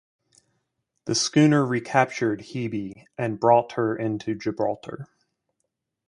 The schooner recaptured "Hebe" and brought her into Gibraltar.